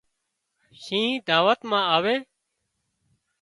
شينهن دعوت مان آوي